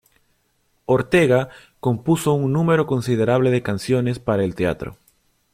Ortega compuso un número considerable de canciones para el teatro.